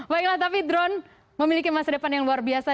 baiklah tapi drone memiliki masa depan yang luar biasa